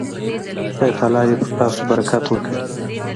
خدای تعالی دې پر تاسو برکت وکړي.